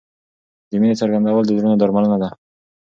د مینې څرګندول د زړونو درملنه ده.